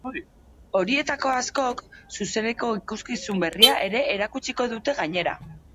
Horietako askok, zuzeneko ikuskizun berria ere erakutsiko dute gainera.